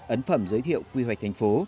ấn phẩm giới thiệu quy hoạch thành phố